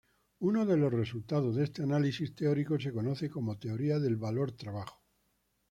Uno de los resultados de este análisis teórico se conoce como teoría del valor-trabajo.